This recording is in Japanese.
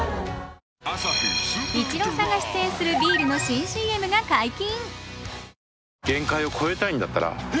イチローさんが出演するビールの新ＣＭが解禁。